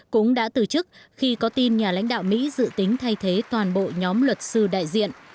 cũng đã từ chức khi có tin nhà lãnh đạo mỹ dự tính thay thế toàn bộ nhóm luật sư đại diện